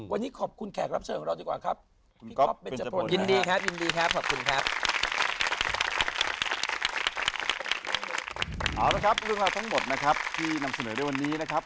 วันนี้ขอบคุณแขกรับเชิงของเราดีกว่าครับ